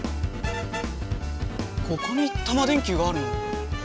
ここにタマ電Ｑがあるの？